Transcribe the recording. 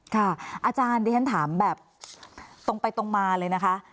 อาจารย์ดิฉันถามแบบตรงไปตรงมาเลยนะคะ